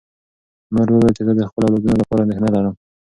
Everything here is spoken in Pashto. مور وویل چې زه د خپلو اولادونو لپاره اندېښنه لرم.